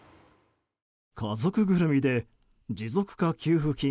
家族ぐるみで持続化給付金